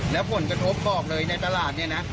แล้วผลกระทบบอกเลยในตลาดเนี่ยนะ